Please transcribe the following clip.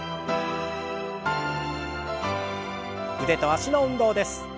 腕と脚の運動です。